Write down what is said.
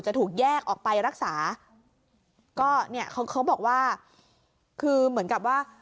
จะถูกแยกออกไปรักษาก็เนี่ยเขาเขาบอกว่าคือเหมือนกับว่า